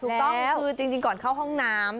ถูกต้องคือจริงก่อนเข้าห้องน้ำ